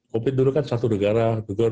covid sembilan belas dulu kan satu negara